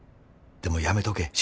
でもやめとけ